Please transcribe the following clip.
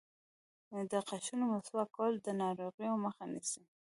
د غاښونو مسواک کول د ناروغیو مخه نیسي.